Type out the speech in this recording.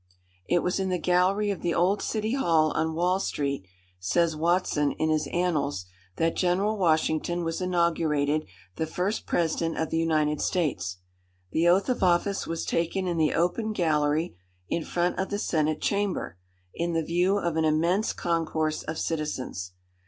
"It was in the gallery of the old City Hall, on Wall Street," says Watson in his Annals, "that General Washington was inaugurated the first President of the United States. The oath of office was taken in the open gallery in front of the Senate Chamber, in the view of an immense concourse of citizens.